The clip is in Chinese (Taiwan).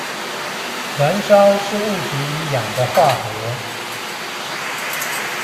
燃燒是物質與氧的化合